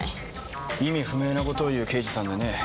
意味不明な事を言う刑事さんでね